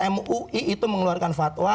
mui itu mengeluarkan fatwa